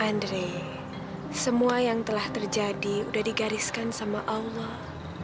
andre semua yang telah terjadi sudah digariskan sama allah